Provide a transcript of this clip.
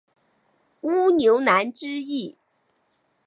乌牛栏之役。